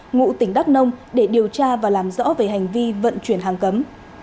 ngụ tỉnh đắk nông để điều tra và làm rõ về hành vi vận chuyển hàng cấm